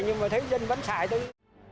nhưng mà thấy dân vẫn không có thể sử dụng